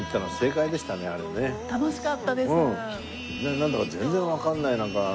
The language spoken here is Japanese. なんだか全然わかんないなんかねえ。